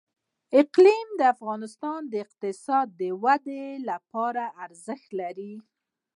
اقلیم د افغانستان د اقتصادي ودې لپاره ارزښت لري.